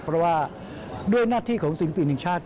เพราะว่าด้วยหน้าที่ของศิลปินแห่งชาติ